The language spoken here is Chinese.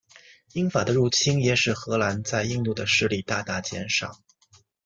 英法的入侵也使荷兰在印度的势力大大减少。